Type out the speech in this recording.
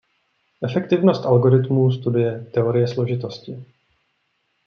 Efektivnost algoritmů studuje teorie složitosti.